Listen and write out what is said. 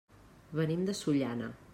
Venim de Sollana.